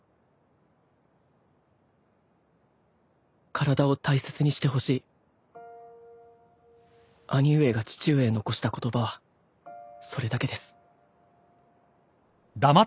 「体を大切にしてほしい」兄上が父上へ残した言葉はそれだけです。